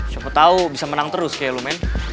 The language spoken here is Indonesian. siapa tau bisa menang terus kayak lo men